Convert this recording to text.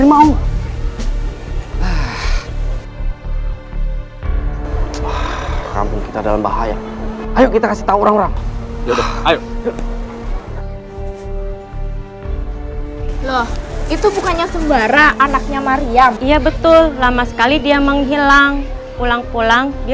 bopo tidak tahu lagi harus mencari kamu kemana nak